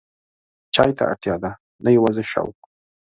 چای ته اړتیا ده، نه یوازې شوق.